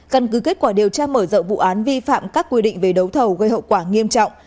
căn cứ kết quả điều tra mở rộng vụ án vi phạm các quy định về đấu thầu gây hậu quả nghiêm trọng